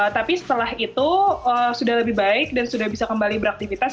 tapi setelah itu sudah lebih baik dan sudah bisa kembali beraktivitas